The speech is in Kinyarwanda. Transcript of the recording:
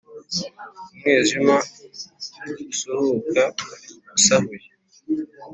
umwijima usuhuka usahuye